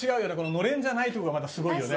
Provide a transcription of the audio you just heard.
暖簾じゃないところがまたすごいよね。